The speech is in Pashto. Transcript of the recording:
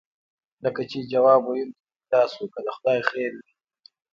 لکه چې ځواب ویونکی پیدا شو، که د خدای خیر وي.